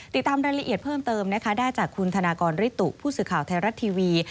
ติดตามรายละเอียดเพิ่มเติมนะคะได้จากคุณธนากรริตุผู้สื่อข่าวไทยรัฐทีวี